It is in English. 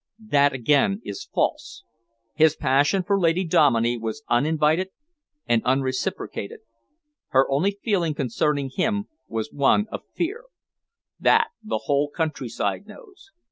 "That again is false. His passion for Lady Dominey was uninvited and unreciprocated. Her only feeling concerning him was one of fear; that the whole countryside knows.